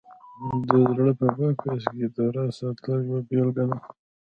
د زړه په بکس کې د راز ساتل یوه بېلګه ده